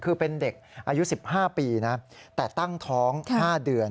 คือเป็นเด็กอายุ๑๕ปีนะแต่ตั้งท้อง๕เดือน